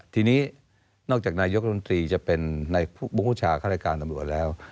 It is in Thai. ทีนี้นอกจากนายกรุงตรีจะเป็นผู้บุญชาฆาตการตำรวจแล้ว